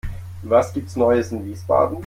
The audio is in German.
Was gibt es Neues in Wiesbaden?